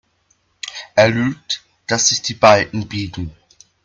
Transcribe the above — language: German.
Er lügt, dass sich die Balken biegen.